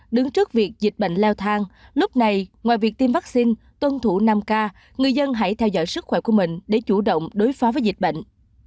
đứng trước việc dịch bệnh leo thang lúc này ngoài việc tiêm vaccine tuân thủ năm k người dân hãy theo dõi sức khỏe của mình để chủ động đối phó với dịch bệnh